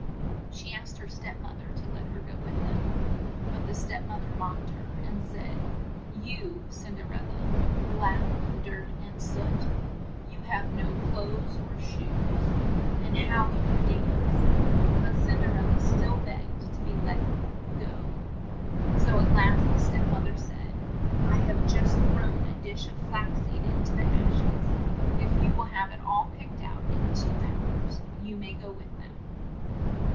She asked her step moth er to let her go with them, but the step moth er mocked her, and said, "You, Cin der el la, black with dirt and soot 1 You have no clothes or shoes, and how can you dance?" THE BIRDS PICK UP THE SEEDS FOR CINDERELLA. But Cin der el la still begged to be let go, so at last the step moth er said, "I have just thrown a dish of flax seed in to the ash es. If you will have it all picked out in two hours, you may go with them."